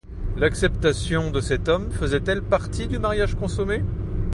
L'acceptation de cet homme faisait-elle partie du mariage consommé?